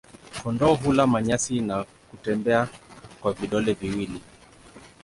Kondoo hula manyasi na kutembea kwa vidole viwili.